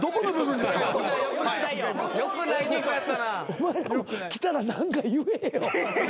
お前らも来たら何か言えよ。